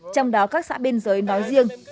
trong đó các xã bên giới nói riêng